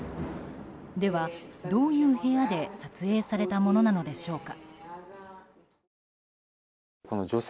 では、どういう部屋で撮影されたものなのでしょうか。